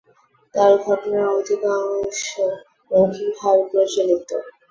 তার ঘটনার অধিকাংশ মৌখিকভাবে প্রচলিত।